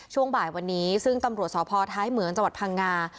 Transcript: ช่วงบ่ายวันนี้ซึ่งตำรวจสพท้ายเหมืองจังหวัดพังงา